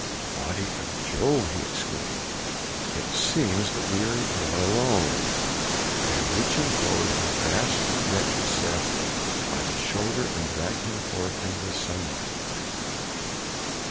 "Body of Jove!" he exclaimed. "It seems that we are not alone!" And reaching forward, he grasped the wretched Seth by the shoulder and dragged him forth into the sunlight.